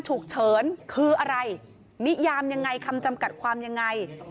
ฉุกเฉินคืออะไรนิยามยังไงคำจำกัดความยังไง